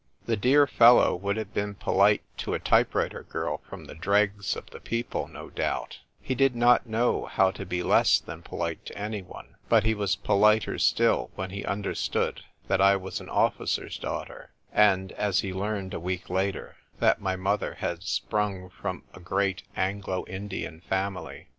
The dear fellow would have been polite to a type writer girl from the dregs of the people, no doubt — he did not know how to be less than polite to anyone ; but he was politer still when he understood that I was an officer's daughter, and (as he learned a week later) that my mother had sprung from a great Anglo Indian family.